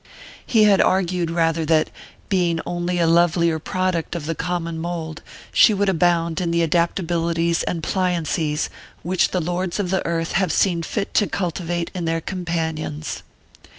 He had argued rather that, being only a lovelier product of the common mould, she would abound in the adaptabilities and pliancies which the lords of the earth have seen fit to cultivate in their companions.